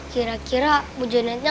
kira kira bu janetnya